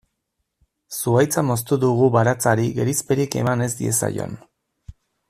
Zuhaitza moztu dugu baratzari gerizperik eman ez diezaion.